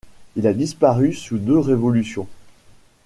Il a disparu sous deux révolutions.